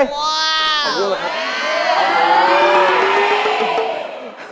ว้าว